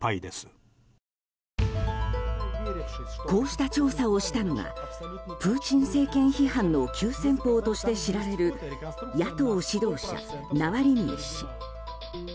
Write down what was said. こうした調査をしたのがプーチン政権批判の急先鋒として知られる野党指導者ナワリヌイ氏。